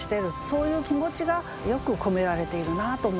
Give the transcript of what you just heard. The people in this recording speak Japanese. そういう気持ちがよく込められているなと思いました。